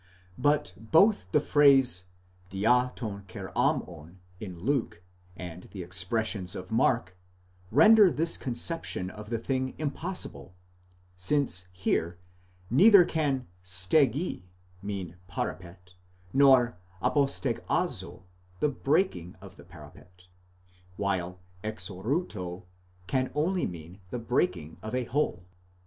But both the phrase, διὰ τῶν κεράμων, in Luke, and the expressions of Mark, render this conception of the thing impossible, since here neither can στέγῃ mean parapet, nor ἀποστεγάζω the breaking of the parapet, while ἐξορύττω can only mean the breaking of a hole.